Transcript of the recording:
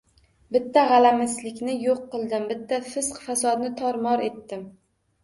— Bitta g‘alamislikni yo‘q qildim. Bitta fisq-fasodni tor-mor etdim.